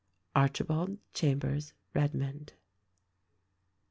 ARCHIBALD CHAMBERS REDMOND."